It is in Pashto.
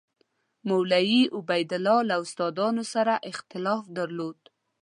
مولوي عبیدالله له استادانو سره اختلاف درلود.